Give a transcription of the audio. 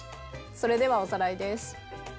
それではおさらいです。